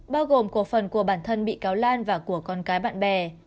bao gồm cổ phần của bản thân bị cáo lan và của con cái bạn bè